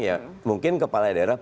ya mungkin kepala daerah